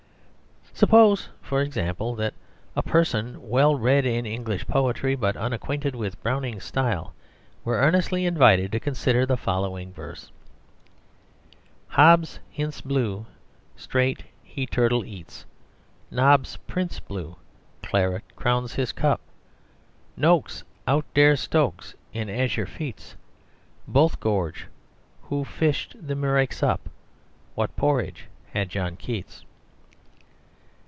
Suppose, for example, that a person well read in English poetry but unacquainted with Browning's style were earnestly invited to consider the following verse: "Hobbs hints blue straight he turtle eats. Nobbs prints blue claret crowns his cup. Nokes outdares Stokes in azure feats Both gorge. Who fished the murex up? What porridge had John Keats?"